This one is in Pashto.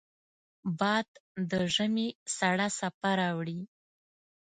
باد د ژمې سړه څپه راوړي